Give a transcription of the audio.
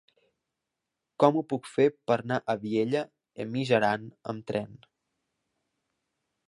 Com ho puc fer per anar a Vielha e Mijaran amb tren?